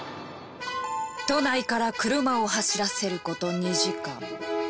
都内から車を走らせる事２時間。